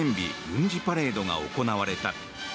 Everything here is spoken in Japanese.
軍事パレードが行われた。